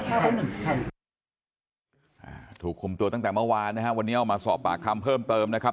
อ่าถูกคุมตัวตั้งแต่เมื่อวานนะฮะวันนี้เอามาสอบปากคำเพิ่มเติมนะครับ